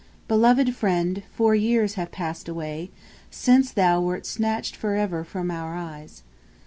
Beloved Friend; four years have passed away Since thou wert snatched for ever from our eyes.